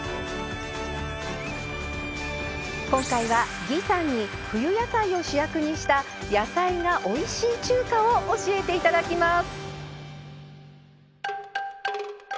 今回は魏さんに冬野菜を主役にした野菜がおいしい中華を教えて頂きます。